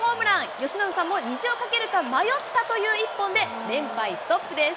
由伸さんも虹を架けるか迷ったという一本で、連敗ストップです。